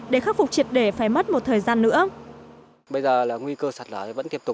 để khắc phục triệt để phải mất một thời gian nữa